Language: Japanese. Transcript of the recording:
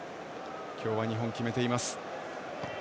今日は２本、決めています。